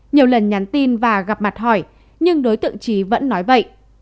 nhiều lần nhắn tin và gặp mặt hỏi nhưng đối tượng trí vẫn nói vậy